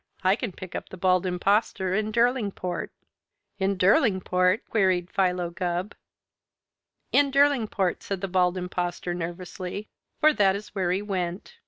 I can pick up the Bald Impostor in Derlingport." "In Derlingport?" queried Philo Gubb. "In Derlingport," said the Bald Impostor nervously, "for that is where he went.